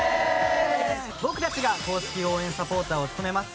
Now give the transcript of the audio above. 僕たちが公式応援サポーターを務めます